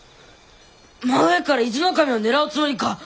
真上から伊豆守を狙うつもりか！？